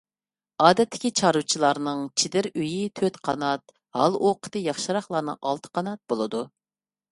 ئادەتتىكى چارۋىچىلارنىڭ چېدىر ئۆيى تۆت قانات، ھال-ئوقىتى ياخشىراقلارنىڭ ئالتە قانات بولىدۇ.